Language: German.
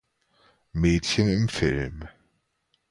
Mädchen im Film.